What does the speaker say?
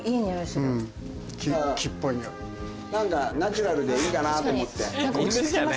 ナチュラルでいいかなと思って。